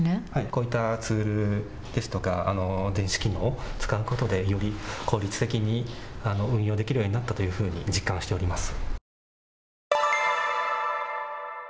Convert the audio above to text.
こういったツールや電子機能、使うことでより効率的に運用できるようになったというふうに実感しております。